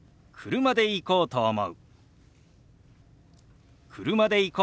「車で行こうと思う」。